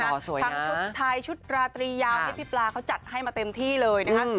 ทั้งชุดไทยชุดราตรียาวที่พี่ปลาเขาจัดให้มาเต็มที่เลยนะคะ